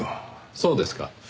そうですか。